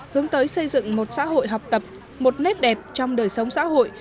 hướng tới xây dựng một xã hội học tập một nét đẹp trong đời sống xã hội